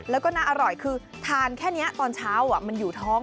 แล้วก็น่าอร่อยคือทานแค่นี้ตอนเช้ามันอยู่ท้อง